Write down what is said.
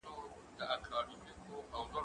دا بازار له هغه ښه دی